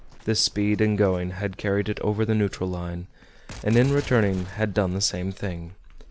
This speed in going had carried it over the neutral line, and in returning had done the same thing.